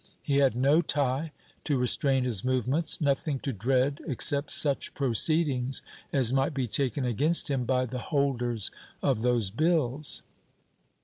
He had no tie to restrain his movements, nothing to dread except such proceedings as might be taken against him by the holders of those bills.